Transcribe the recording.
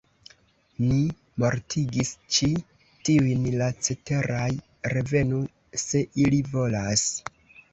Ni mortigis ĉi tiujn; la ceteraj revenu, se ili volas!